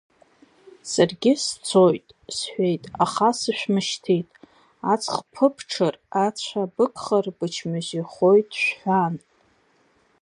Саргьы сцоит, сҳәеит, аха сышәмышьҭит, аҵх ԥыбҽыр, ацәа быгхар, бычмазаҩхоит, шәҳәан.